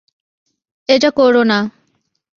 এটা কোরো না!